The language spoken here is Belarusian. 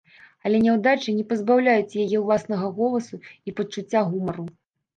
Але няўдачы не пазбаўляюць яе ўласнага голасу і пачуцця гумару.